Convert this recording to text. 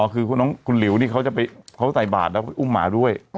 คือน้องคุณหลิวนี่เขาจะไปเขาใส่บาทแล้วไปอุ้มหมาด้วย